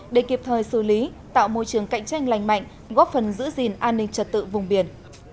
để kịp thời xử lý tạo môi trường cạnh tranh lành mạnh góp phần giữ gìn an ninh trật tự vùng biển